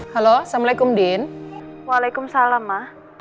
halo assalamualaikum din walaikum salam ma